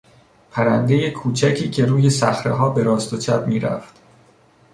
پرندهی کوچکی که روی صخرهها به راست و چپ میرفت.